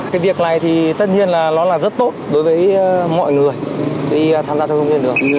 cái việc này thì tất nhiên là nó là rất tốt đối với mọi người đi tham gia giao thông trên đường